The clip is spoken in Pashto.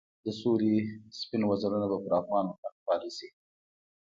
د سولې سپین وزرونه به پر افغان وطن خپاره شي.